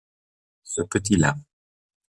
Ce petit-là.